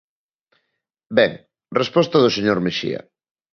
Ben, resposta do señor Mexía.